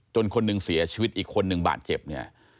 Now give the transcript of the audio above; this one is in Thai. คนหนึ่งเสียชีวิตอีกคนนึงบาดเจ็บเนี่ย